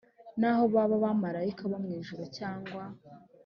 naho baba abamarayika bo mu ijuru cyangwa